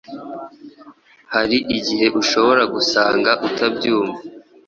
Hari igihe ushobora gusanga utabyumva